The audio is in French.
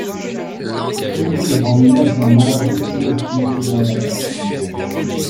Elvire emmena son mari tout de suite dans leur appartement.